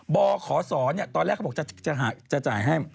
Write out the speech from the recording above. บขศตอนแรกเขาบอกจะจ่ายให้